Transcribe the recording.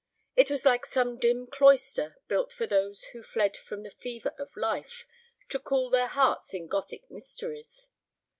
It was like some dim cloister built for those who fled from the fever of life to cool their hearts in Gothic mysteries.